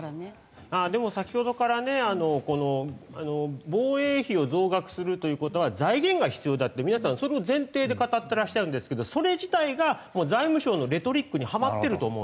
でも先ほどからね防衛費を増額するという事は財源が必要だって皆さんそれを前提で語ってらっしゃるんですけどそれ自体が財務省のレトリックにはまってると思うんですよ。